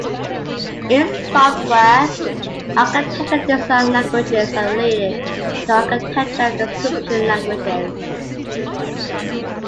In software architecture, design languages are related to architecture description languages.